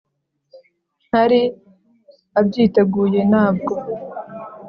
ntari abyiteguye nabwo